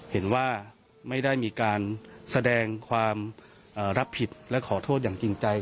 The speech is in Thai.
เห็นว่าไม่ได้มีการแสดงความรับผิดและขอโทษอย่างจริงใจ